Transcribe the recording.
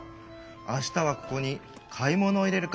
あしたはここにかいものをいれるか。